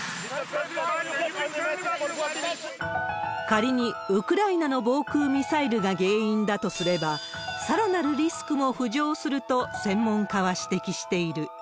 仮に、ウクライナの防空ミサイルが原因だとすれば、さらなるリスクも浮上すると、専門家は指摘している。